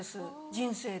人生で。